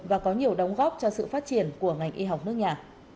và có nhiều đóng góp cho sự phát triển của ngành y học nước nhà